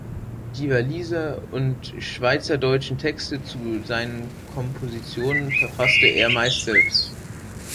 Die walliser- und schweizerdeutschen Texte zu seinen Kompositionen verfasste er meist selbst.